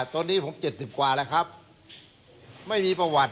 ตอนนี้ผม๗๐กว่าแล้วครับไม่มีประวัติ